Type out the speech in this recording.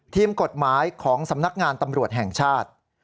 ทีมกฎหมายของสำนักงานตำรวจแห่งชาติ